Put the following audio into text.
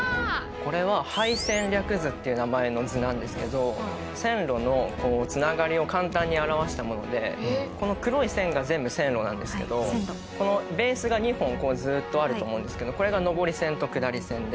これは配線略図って名前の図なんですけど線路の繋がりを簡単に表したものでこの黒い線が全部線路なんですけどこのベースが２本ずっとあると思うんですけどこれが上り線と下り線で。